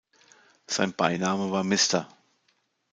Sein Beiname war "Mr.